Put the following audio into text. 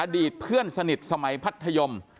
อดีตเพื่อนสนิทสมัยพัทธยม